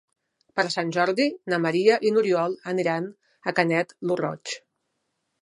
Per Sant Jordi na Maria i n'Oriol aniran a Canet lo Roig.